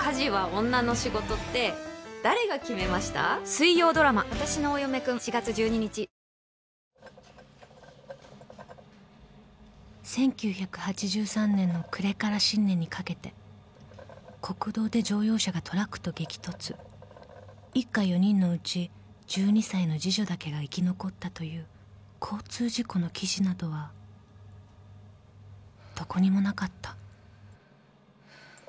水層パックＵＶ「ビオレＵＶ」［１９８３年の暮れから新年にかけて国道で乗用車がトラックと激突一家４人のうち１２歳の次女だけが生き残ったという交通事故の記事などはどこにもなかった］